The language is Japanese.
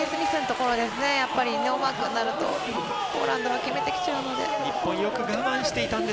ノーマークになるとポーランドが決めてきちゃうので。